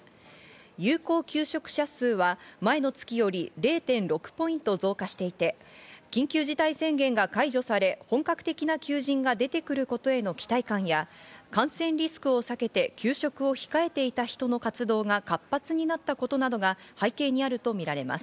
有効求職者数は前の月より０．６ポイント増加していて、緊急事態宣言が解除され、本格的な求人が出てくることへの期待感や、感染リスクを避けて求職を控えている人の活動が活発になったことなどが背景にあるとみられます。